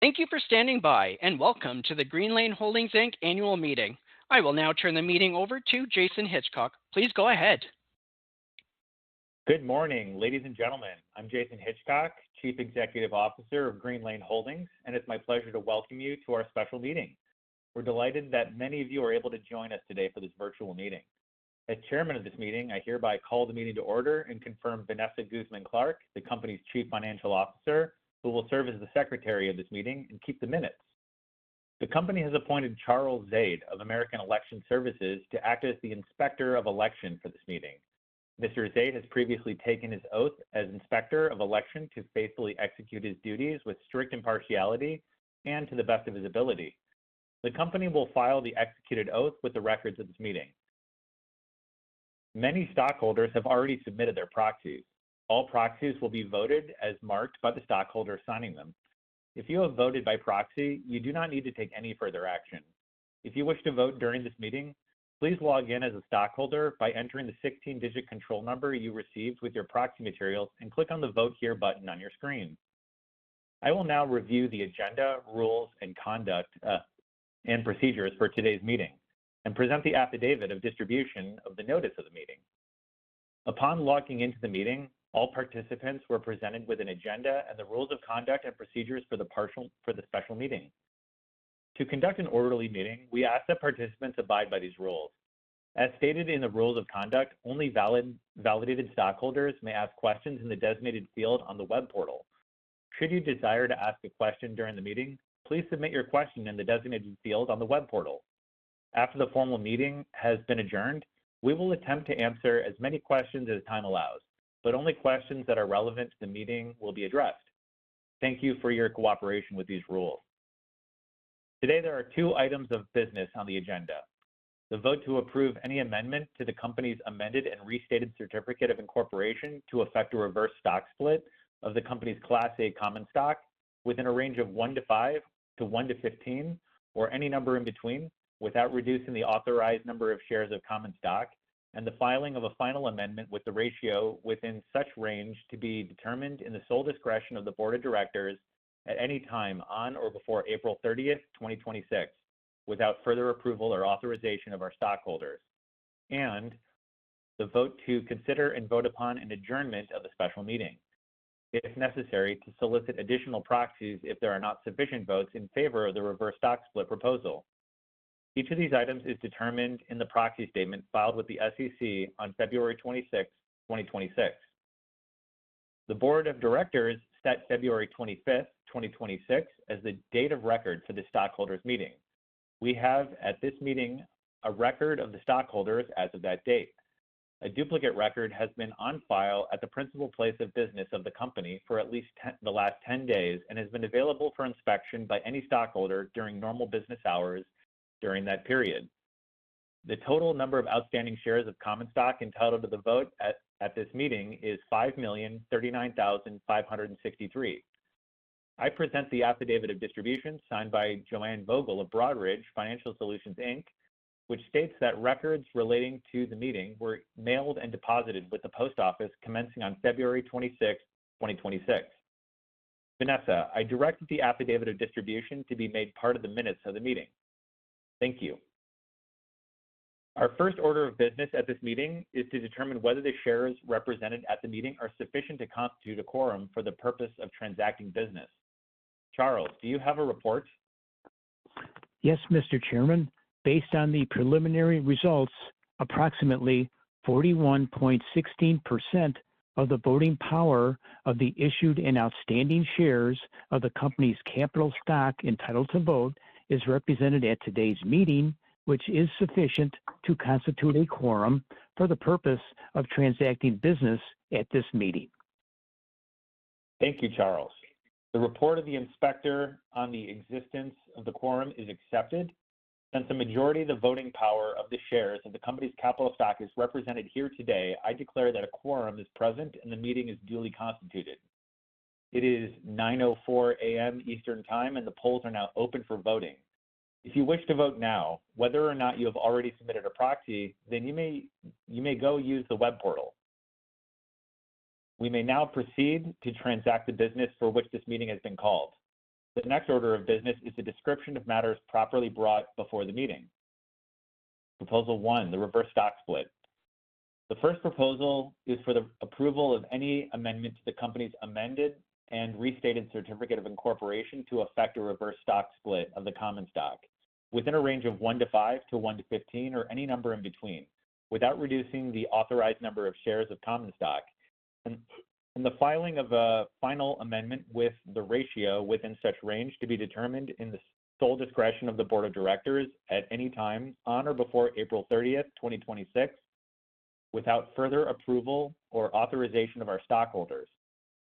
Thank you for standing by, and welcome to the Greenlane Holdings, Inc. annual meeting. I will now turn the meeting over to Jason Hitchcock. Please go ahead. Good morning, ladies and gentlemen. I'm Jason Hitchcock, Chief Executive Officer of Greenlane Holdings, and it's my pleasure to welcome you to our special meeting. We're delighted that many of you are able to join us today for this virtual meeting. As Chairman of this meeting, I hereby call the meeting to order and confirm Vanessa Guzmán-Clark, the company's Chief Financial Officer, who will serve as the secretary of this meeting and keep the minutes. The company has appointed Charles Zade of American Election Services to act as the Inspector of Election for this meeting. Mr. Zade has previously taken his oath as Inspector of Election to faithfully execute his duties with strict impartiality and to the best of his ability. The company will file the executed oath with the records of this meeting. Many stockholders have already submitted their proxies. All proxies will be voted as marked by the stockholder signing them. If you have voted by proxy, you do not need to take any further action. If you wish to vote during this meeting, please log in as a stockholder by entering the 16-digit control number you received with your proxy materials and click on the Vote Here button on your screen. I will now review the agenda, rules, and conduct, and procedures for today's meeting and present the affidavit of distribution of the notice of the meeting. Upon logging into the meeting, all participants were presented with an agenda and the rules of conduct and procedures for the special meeting. To conduct an orderly meeting, we ask that participants abide by these rules. As stated in the rules of conduct, only validated stockholders may ask questions in the designated field on the web portal. Should you desire to ask a question during the meeting, please submit your question in the designated field on the web portal. After the formal meeting has been adjourned, we will attempt to answer as many questions as time allows, but only questions that are relevant to the meeting will be addressed. Thank you for your cooperation with these rules. Today, there are two items of business on the agenda: the vote to approve any amendment to the company's amended and restated certificate of incorporation to effect a reverse stock split of the company's Class A common stock within a range of 1:5 to 1:15 or any number in between without reducing the authorized number of shares of common stock and the filing of a final amendment with the ratio within such range to be determined in the sole discretion of the Board of Directors at any time on or before April 30, 2026, without further approval or authorization of our stockholders. The vote to consider and vote upon an adjournment of the special meeting if necessary to solicit additional proxies if there are not sufficient votes in favor of the reverse stock split proposal. Each of these items is determined in the proxy statement filed with the SEC on February 26, 2026. The Board of Directors set February 25, 2026 as the date of record for the stockholders meeting. We have at this meeting a record of the stockholders as of that date. A duplicate record has been on file at the principal place of business of the company for at least the last 10 days and has been available for inspection by any stockholder during normal business hours during that period. The total number of outstanding shares of common stock entitled to the vote at this meeting is 5,039,563. I present the affidavit of distribution signed by Joanne Vogel of Broadridge Financial Solutions, Inc., which states that records relating to the meeting were mailed and deposited with the post office commencing on February 26, 2026. Vanessa, I direct the affidavit of distribution to be made part of the minutes of the meeting. Thank you. Our first order of business at this meeting is to determine whether the shares represented at the meeting are sufficient to constitute a quorum for the purpose of transacting business. Charles, do you have a report? Yes, Mr. Chairman. Based on the preliminary results, approximately 41.16% of the voting power of the issued and outstanding shares of the company's capital stock entitled to vote is represented at today's meeting, which is sufficient to constitute a quorum for the purpose of transacting business at this meeting. Thank you, Charles. The report of the inspector on the existence of the quorum is accepted. Since the majority of the voting power of the shares of the company's capital stock is represented here today, I declare that a quorum is present, and the meeting is duly constituted. It is 9:04 A.M. Eastern Time, and the polls are now open for voting. If you wish to vote now, whether or not you have already submitted a proxy, then you may go use the web portal. We may now proceed to transact the business for which this meeting has been called. The next order of business is the description of matters properly brought before the meeting. Proposal 1, the reverse stock split. The first proposal is for the approval of any amendment to the company's amended and restated certificate of incorporation to effect a reverse stock split of the common stock within a range of 1:5 to 1:15 or any number in between without reducing the authorized number of shares of common stock and the filing of a final amendment with the ratio within such range to be determined in the sole discretion of the Board of Directors at any time on or before April 30, 2026 without further approval or authorization of our stockholders.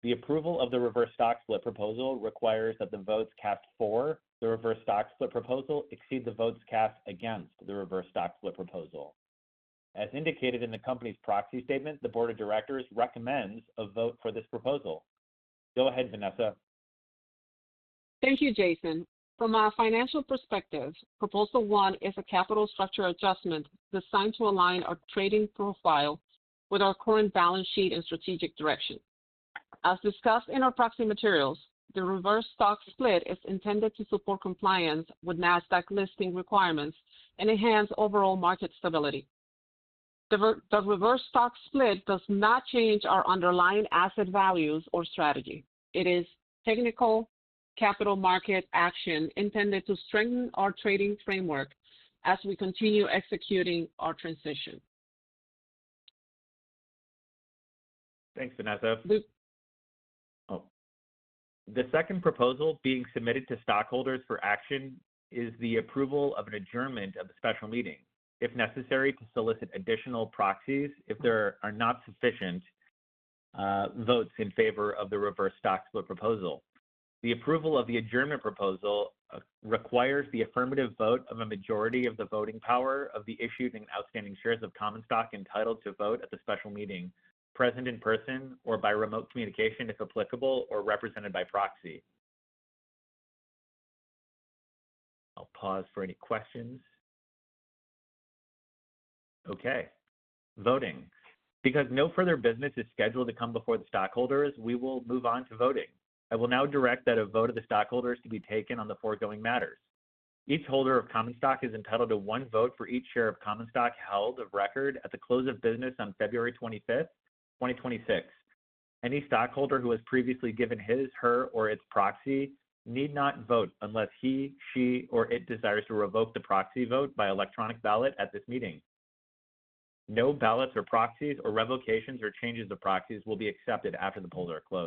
The approval of the reverse stock split proposal requires that the votes cast for the reverse stock split proposal exceed the votes cast against the reverse stock split proposal. As indicated in the company's proxy statement, the Board of Directors recommends a vote for this proposal. Go ahead, Vanessa. Thank you, Jason. From a financial perspective, proposal one is a capital structure adjustment designed to align our trading profile with our current balance sheet and strategic direction. As discussed in our proxy materials, the reverse stock split is intended to support compliance with Nasdaq listing requirements and enhance overall market stability. The reverse stock split does not change our underlying asset values or strategy. It is technical capital market action intended to strengthen our trading framework as we continue executing our transition. Thanks, Vanessa. The second proposal being submitted to stockholders for action is the approval of an adjournment of the special meeting, if necessary, to solicit additional proxies if there are not sufficient votes in favor of the reverse stock split proposal. The approval of the adjournment proposal requires the affirmative vote of a majority of the voting power of the issued and outstanding shares of common stock entitled to vote at the special meeting, present in person or by remote communication, if applicable, or represented by proxy. I'll pause for any questions. Okay. Voting. Because no further business is scheduled to come before the stockholders, we will move on to voting. I will now direct that a vote of the stockholders to be taken on the foregoing matters. Each holder of common stock is entitled to one vote for each share of common stock held of record at the close of business on February 25, 2026. Any stockholder who has previously given his, her, or its proxy need not vote unless he, she, or it desires to revoke the proxy vote by electronic ballot at this meeting. No ballots or proxies or revocations or changes of proxies will be accepted after the polls are closed.